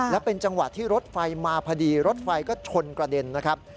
และเป็นจังหวะที่รถไฟมาพอดีรถไฟก็ชนกระเด็นนะครับ